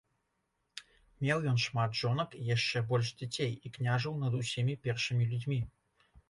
Меў ён шмат жонак і яшчэ больш дзяцей і княжыў над усімі першымі людзьмі.